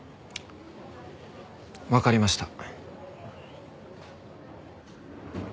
わかりました。